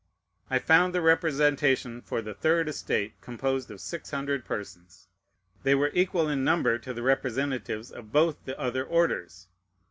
I found the representation for the third estate composed of six hundred persons. They were equal in number to the representatives of both the other orders.